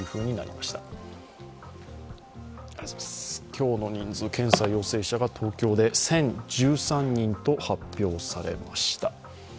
今日の人数、検査陽性者が東京で１０１３人と発表されました。